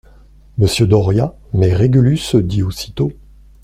Monsieur Doria ! Mais Régulus dit aussitôt.